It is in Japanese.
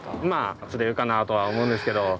まあ釣れるかなとは思うんですけど。